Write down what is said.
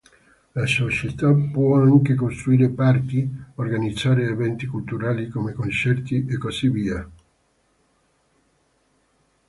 La società può anche costruire parchi, organizzare eventi culturali come concerti, e così via.